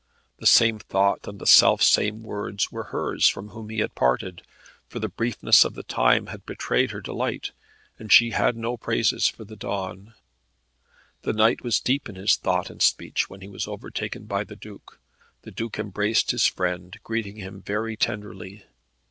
The same thought and the self same words were hers from whom he had parted, for the briefness of the time had betrayed her delight, and she had no praises for the dawn. The knight was deep in his thought and speech, when he was overtaken by the Duke. The Duke embraced his friend, greeting him very tenderly.